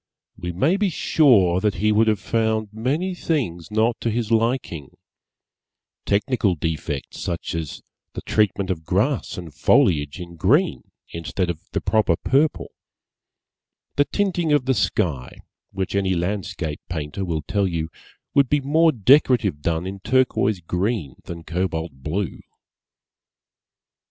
We may be sure that he would have found many things not to his liking; technical defects such as the treatment of grass and foliage in green instead of the proper purple; the tinting of the sky which any landscape painter will tell you would be more decorative done in turquoise green than cobalt blue.